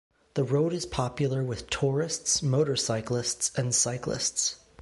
The road is popular with tourists, motorcyclists and cyclists.